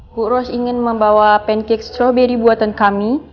bu ros ingin membawa pancake strawberry buatan kami